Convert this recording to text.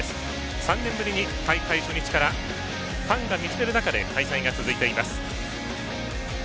３年ぶりの大会初日からファンが見つめる中で開催が続いています。